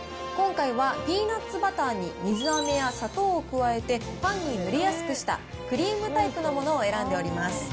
今回は、ピーナッツバターに水あめや砂糖を加えて、パンに塗りやすくしたクリームタイプのものを選んでおります。